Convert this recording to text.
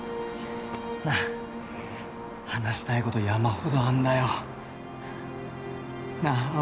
なあ話したいこと山ほどあんだよなあ